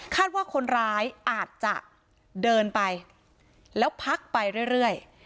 ว่าคนร้ายอาจจะเดินไปแล้วพักไปเรื่อย